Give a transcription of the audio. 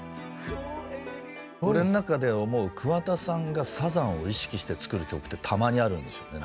俺の中で思う桑田さんがサザンを意識して作る曲ってたまにあるんですよね。